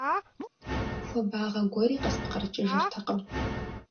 Хуабагъэ гуэри къыспкърыкӀыжыртэкъым.